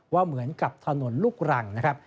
ว่าเหมือนกับถนนลูกรังนะครับ